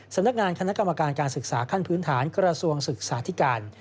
สำนักงานคณะกรรมการการศึกษาขั้นพื้นฐานกระทรวงศึกษาธิการ